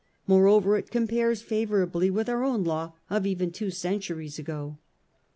Moreover it compares favourably with our own law of even two centuries ago.